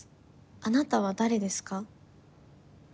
あなたは誰ですか？」。